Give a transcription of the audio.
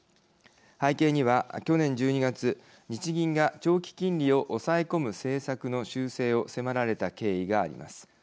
背景には去年１２月日銀が長期金利を抑え込む政策の修正を迫られた経緯があります。